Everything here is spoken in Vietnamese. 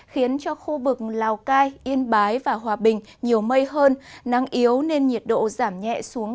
khiến cho khu vực lào cai yên bái và hòa bình nhiều mây hơn nắng yếu nên nhiệt độ giảm nhẹ xuống